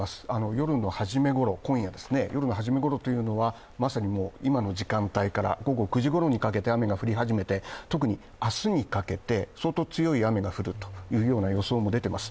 夜のはじめごろ、今夜ですね、まさに今の時間帯から午後９時ごろにかけて雨が降り始めて、特に明日にかけて、相当強い雨が降るという予想も出ています。